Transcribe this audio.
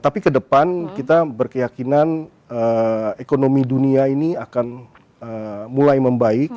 tapi ke depan kita berkeyakinan ekonomi dunia ini akan mulai membaik